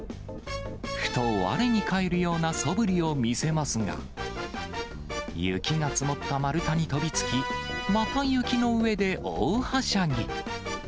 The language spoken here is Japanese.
ふとわれに返るようなそぶりを見せますが、雪が積もった丸太に飛びつき、また雪の上で大はしゃぎ。